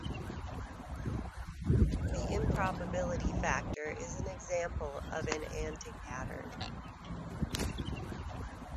The improbability factor is an example of an anti-pattern.